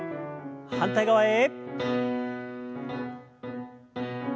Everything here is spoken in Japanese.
反対側へ。